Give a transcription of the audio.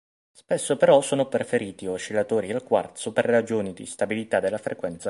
Spesso però sono preferiti oscillatori al quarzo per ragioni di stabilità della frequenza.